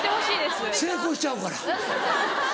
成功しちゃうから。